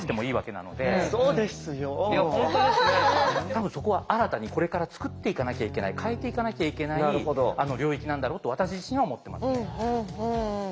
多分そこは新たにこれから作っていかなきゃいけない変えていかなきゃいけない領域なんだろうと私自身は思ってますね。